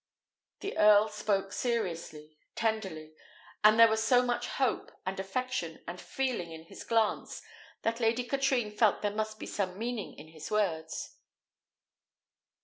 The earl spoke seriously, tenderly, and there was so much hope, and affection, and feeling in his glance, that Lady Katrine felt there must be some meaning in his words.